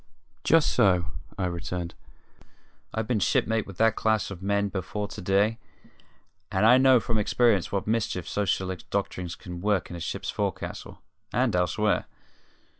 "Just so," I returned. "I've been shipmate with that class of man before to day, and I know from experience what mischief socialistic doctrines can work in a ship's forecastle and elsewhere.